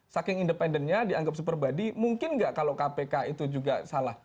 saking independennya dianggap super body mungkin nggak kalau kpk itu juga salah